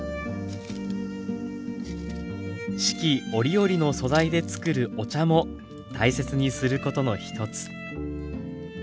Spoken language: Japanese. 四季折々の素材でつくるお茶も大切にすることの一つ。